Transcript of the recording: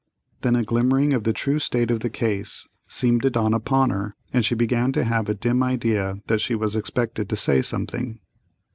Then a glimmering of the true state of the case seemed to dawn upon her, and she began to have a dim idea that she was expected to say something.